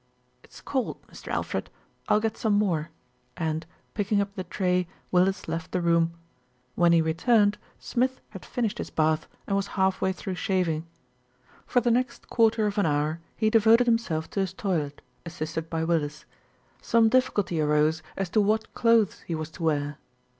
"It's cold, Mr. Alfred, I'll get some more," and, picking up the tray, Willis left the room. When he returned, Smith had finished his bath and was half way through shaving. For the next quarter of an hour he devoted himself to his toilet, assisted by Willis. Some difficulty arose as to what clothes he was to wear.